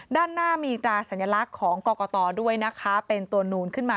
ด้านหน้ามีตราสัญลักษณ์ของกรกตด้วยนะคะเป็นตัวนูนขึ้นมา